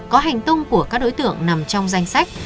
có hành tung của các đối tượng nằm trong danh sách